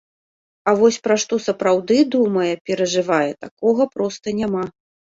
А вось пра што сапраўды думае, перажывае, такога проста няма.